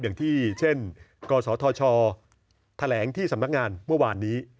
อย่างเช่นกศธชแถลงที่สำนักงานเมื่อวานนี้